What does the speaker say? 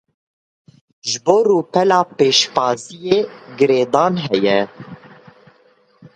Ji bo rûpela pêşbaziyê girêdan heye.